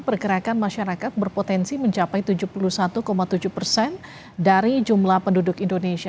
pergerakan masyarakat berpotensi mencapai tujuh puluh satu tujuh persen dari jumlah penduduk indonesia